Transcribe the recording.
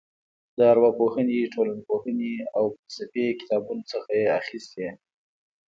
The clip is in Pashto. د ارواپوهنې ټولنپوهنې او فلسفې کتابونو څخه یې اخیستې.